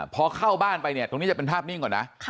พอเข้าบ้านไปเนี่ยตรงนี้จะเป็นภาพนิ่งก่อนนะ